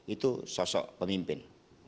itu sosok pemimpin